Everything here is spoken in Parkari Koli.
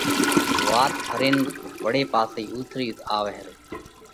وات ڦرينَ وۯي پاسئي اُوٿ رئِي اُوٿ آوئه۔